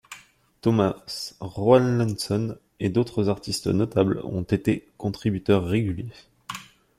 Thomas Rowlandson et d'autres artistes notables ont été contributeurs réguliers.